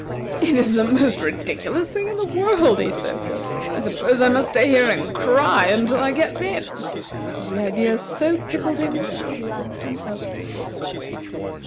"It is the most ridiculous thing in the world," he said. "I suppose I must stay here and cry until I get thin." And the idea so tickled him, that he laughed himself to sleep.